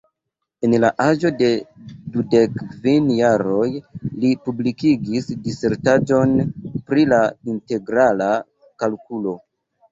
En la aĝo de dudek kvin jaroj li publikigis disertaĵon pri la integrala kalkulo.